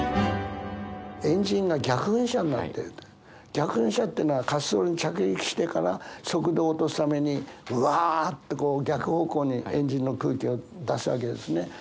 逆噴射っていうのは滑走路に着陸してから速度を落とすためにうわって逆方向にエンジンの空気を出すわけですね。